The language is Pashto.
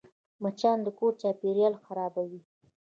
مچان د کور چاپېریال خرابوي